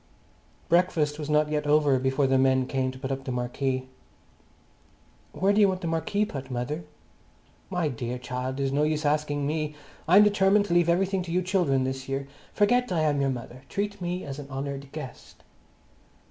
Breakfast was not yet over before the men came to put up the marquee. "Where do you want the marquee put, mother?" "My dear child, it's no use asking me. I'm determined to leave everything to you children this year. Forget I am your mother. Treat me as an honoured guest."